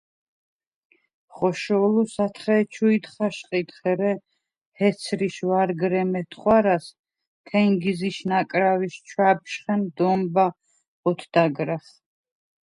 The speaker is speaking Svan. ხოშოლუს ათხე ჩუიდ ხაშყიდხ, ერე ჰეცრიშ ვარგრე მეთხვარას თენგიზიშ ნაკრავიშ ჩვა̈ბშხენ დომბა̈ ოთდაგრახ.